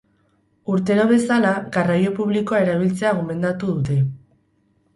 Urtero bezala, garraio publikoa erabiltzea gomendatu dute.